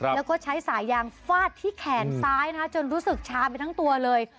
แล้วก็ใช้สายยางฟาดที่แขนซ้ายจนรู้สึกชามไปทั้งตัวเลย